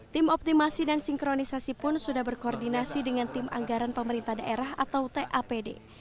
tim optimasi dan sinkronisasi pun sudah berkoordinasi dengan tim anggaran pemerintah daerah atau tapd